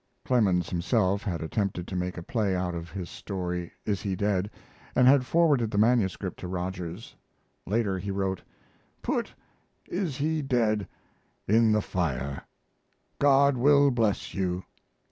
[Clemens himself had attempted to make a play out of his story "Is He Dead?" and had forwarded the MS. to Rogers. Later he wrote: "Put 'Is He Dead?' in the fire. God will bless you.